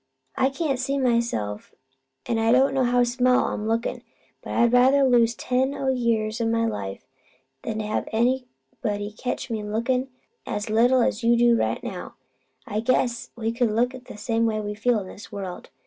I can't see myself, an' I don't know how small I'm lookin'; but I'd rather lose ten year o' my life 'an to have anybody catch me lookin' as little as you do right now. I guess we look about the way we feel in this world.